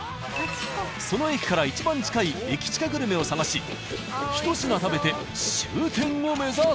その駅からいちばん近いエキチカグルメを探し１品食べて終点を目指す。